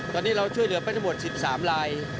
ตอนนี้เราช่วยเหลือไปทั้งหมด๑๓ลาย